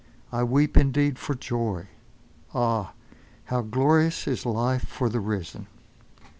I weep, indeed, for joy! Ah! how glorious is life for the risen!